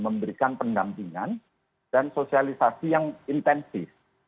memberikan pendampingan dan sosialisasi yang intensif